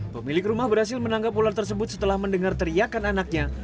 pemilik rumah berhasil menangkap ular tersebut setelah mendengar teriakan anaknya